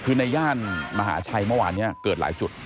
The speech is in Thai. คือในย่านมหาชัยเมื่อวานนี้เกิดหลายจุด